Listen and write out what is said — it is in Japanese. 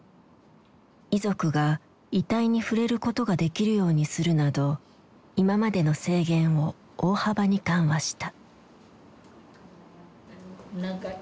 遺族が遺体に触れることができるようにするなど今までの制限を大幅に緩和した。